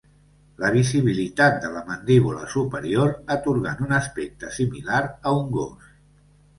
La visibilitat de la mandíbula superior, atorgant un aspecte similar a un gos.